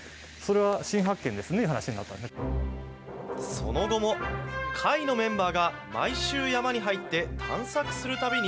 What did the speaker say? その後も、会のメンバーが毎週、山に入って探索するたびに、